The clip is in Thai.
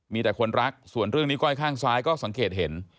มีแต่คนรักส่วนเรื่องนี้ก้อยข้างซ้ายก็สังเกตเห็น